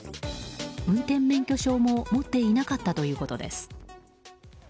運転免許証も持っていなかったということです。